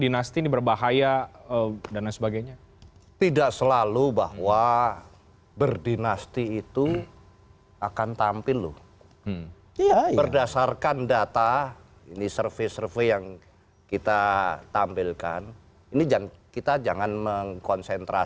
nah tidak ada kapasitasnya